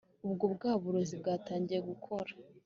ubwo bwa burozi bwatangiye gukora